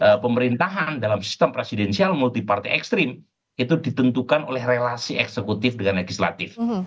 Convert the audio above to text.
karena pemerintahan dalam sistem presidensial multi partai ekstrim itu ditentukan oleh relasi eksekutif dengan legislatif